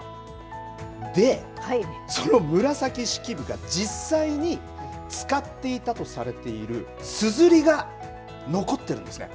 で、その紫式部が実際に使っていたとされているすずりが残っているんですね。